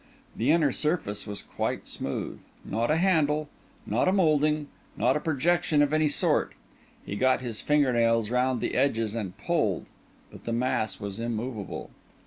The inner surface was quite smooth, not a handle, not a moulding, not a projection of any sort. He got his finger nails round the edges and pulled, but the mass was immovable.